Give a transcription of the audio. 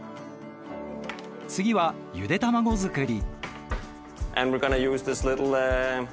次はゆで卵作り。